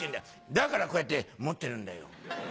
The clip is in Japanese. だからこうやって持ってるんだよ」。